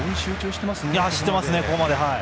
していますね、ここまで。